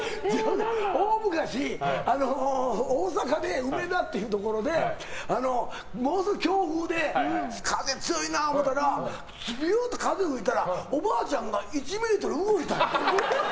大昔、大阪で梅田っていうところでものすごい強風で風強いな思ったらビューンと風吹いたらおばあちゃんが１ｍ動いたんよ。